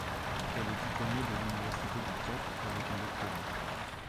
Elle est diplômée de l'Université du Cap, avec un doctorat.